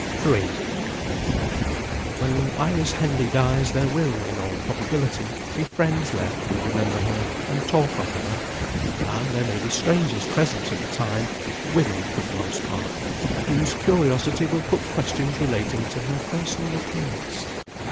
III WHEN Iris Henley dies there will, in all probability, be friends left who remember her and talk of her and there may be strangers present at the time (women for the most part), whose curiosity will put questions relating to her personal appearance.